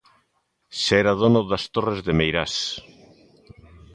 Xa era dono das Torres de Meirás.